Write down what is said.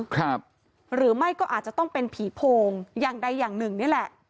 ครับหรือไม่ก็อาจจะต้องเป็นผีโพงอย่างใดอย่างหนึ่งนี่แหละ